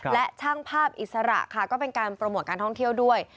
และช่างภาพอิสระค่ะก็เป็นการโปรโมทการท่องเที่ยวด้วย